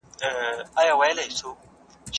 اګوست کنت درې مرحلې وټاکلې.